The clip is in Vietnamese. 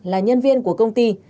là nhân viên của công ty